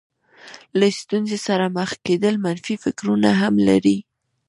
له ستونزې سره مخ کېدل منفي فکرونه هم لري.